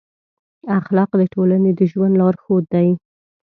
اخلاق د ټولنې د ژوند لارښود دي.